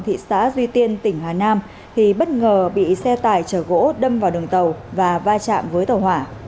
thị xã duy tiên tỉnh hà nam thì bất ngờ bị xe tải chở gỗ đâm vào đường tàu và va chạm với tàu hỏa